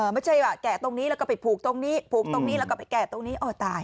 ไม่ใช่ว่าแกะตรงนี้แล้วก็พูกตรงนี้